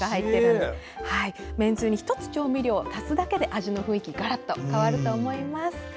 めんつゆに１つ調味料を足すだけで味が雰囲気がガラッと変わると思います。